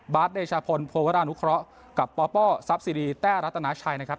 บาร์ดเดชาพลโพกระนุเคราะห์กับป๊อปป้อซับซีรีแต้รัตนาชัยนะครับ